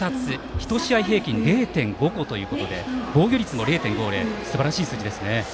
１試合平均０．５個と防御率も０．５０とすばらしい数字ですね。